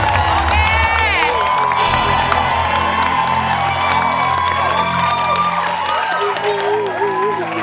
โอเค